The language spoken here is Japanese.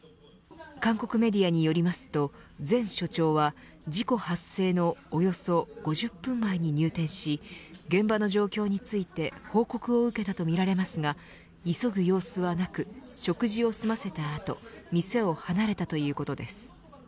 韓国メディアによりますと前署長は、事故発生のおよそ５０分前に入店し現場の状況について報告を受けたとみられますが急ぐ様子はなく食事を済ませた後店を離れたということです。